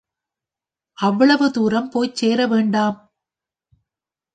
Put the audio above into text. அவ்வளவு தூரம் போய்ச் சேர வேண்டாம்?